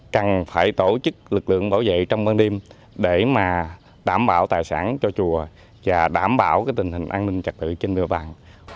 cần phải tổ chức lực lượng bảo vệ trong ban đêm để mà đảm bảo tài sản cho chùa và đảm bảo tình hình an ninh trật tự trên địa bàn